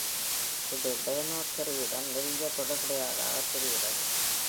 இது "Danio kerri" உடன் நெருங்கிய தொடர்புடையதாகத் தெரிகிறது.